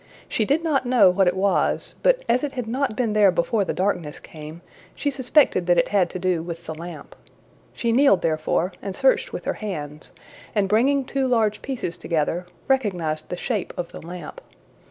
She did not know what it was, but as it had not been there before the darkness came, she suspected that it had to do with the lamp. She kneeled therefore, and searched with her hands, and bringing two large pieces together, recognized the shape of the lamp.